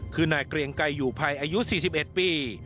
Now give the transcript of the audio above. คือนายเกรียงไกรอยู่ภัยอายุ๔๑ปี